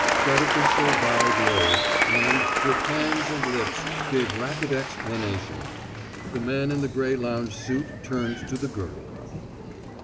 That official bowed low, and, with hands and lips, gave rapid explanation. The man in the gray lounge suit turned to the girl.